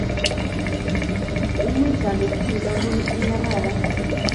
imuch a betchin amun I kararan